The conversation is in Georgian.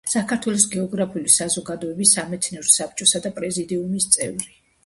საქართველოს გეოგრაფიული საზოგადოების სამეცნიერო საბჭოსა და პრეზიდიუმის წევრი.